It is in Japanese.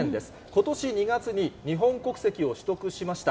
ことし２月に日本国籍を取得しました。